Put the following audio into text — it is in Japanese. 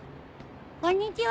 こんにちは。